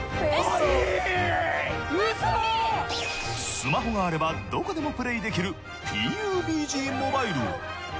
スマホがあればどこでもプレイできるＰＵＢＧＭＯＢＩＬＥ。